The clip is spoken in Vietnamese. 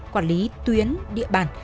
quản lý tuyến địa bàn